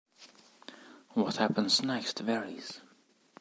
What happens next varies.